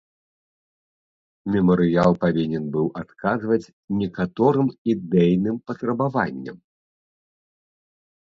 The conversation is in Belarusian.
Мемарыял павінен быў адказваць некаторым ідэйным патрабаванням.